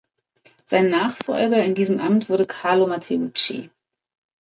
Sein Nachfolger in diesem Amt wurde Carlo Matteucci.